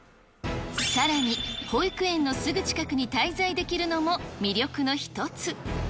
さらに、保育園のすぐ近くに滞在できるのも魅力の一つ。